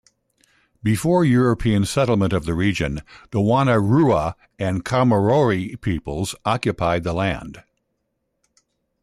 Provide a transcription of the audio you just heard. Before European settlement of the region the Wonnarua and Kamilaroi peoples occupied the land.